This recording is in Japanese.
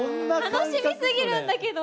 楽しみすぎるんだけど。